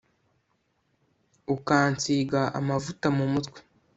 ukansiga amavuta mu mutwe